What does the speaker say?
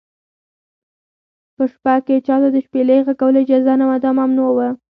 په شپه کې چا ته د شپېلۍ غږولو اجازه نه وه، دا ممنوع و.